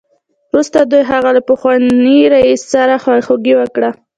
وروسته دوی د هغه له پخواني رییس سره خواخوږي وکړه